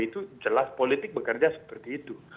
itu jelas politik bekerja seperti itu